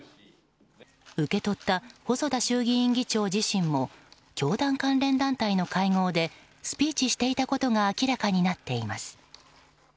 受け取った細田衆議院議長自身も教団関連団体の会合でスピーチしていたことが明らかになっています。